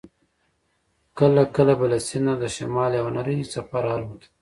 کله کله به له سیند نه د شمال یوه نرۍ څپه را الوته.